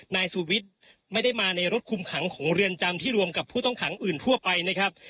นายสุวิทย์ไม่ได้มาในรถคุมขังของเรือนจำที่รวมกับผู้ต้องขังอื่นทั่วไปนะครับ